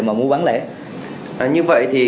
mà mua bán lẻ như vậy thì